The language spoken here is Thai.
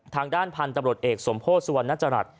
ทางด้านพันธุ์ตำรวจเอกสมโพธิสุวรรณจรัส